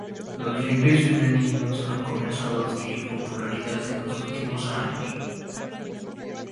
Los "jinbei" femeninos han comenzado a adquirir popularidad en los últimos años.